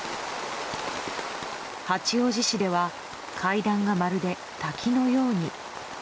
八王子市では階段がまるで滝のように。